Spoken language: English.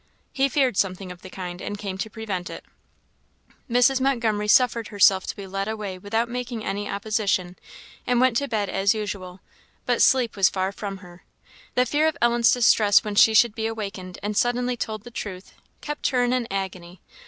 He feared something of the kind, and came to prevent it. Mrs. Montgomery suffered herself to be led away without making any opposition, and went to bed as usual; but sleep was far from her. The fear of Ellen's distress when she should be awakened and suddenly told the truth, kept her in an agony.